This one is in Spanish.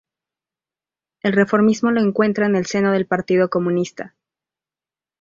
El reformismo lo encuentra en el seno del Partido Comunista.